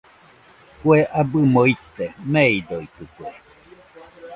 Kue abɨmo ite meidoitɨkue.